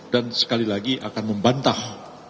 dan sekali lagi akan membantah